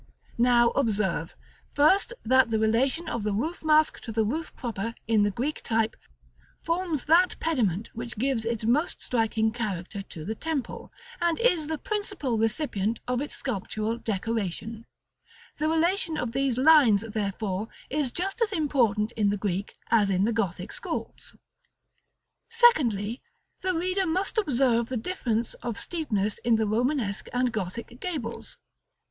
Now, observe, first, that the relation of the roof mask to the roof proper, in the Greek type, forms that pediment which gives its most striking character to the temple, and is the principal recipient of its sculptural decoration. The relation of these lines, therefore, is just as important in the Greek as in the Gothic schools. [Illustration: Fig. XIII.] § XCI. Secondly, the reader must observe the difference of steepness in the Romanesque and Gothic gables.